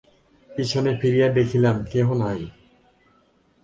পিছনে ফিরিয়া দেখিলাম, কেহ নাই।